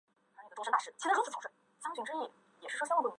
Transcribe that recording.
很早就发现织田信长的才能。